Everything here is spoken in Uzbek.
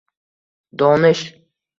Donish